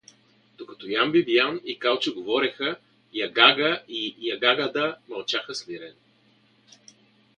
Докато Ян Бибиян и Калчо говореха, Ягага и Ягагада мълчаха смирено.